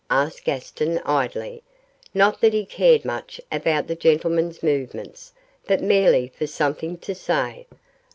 asked Gaston, idly, not that he cared much about that gentleman's movements, but merely for something to say.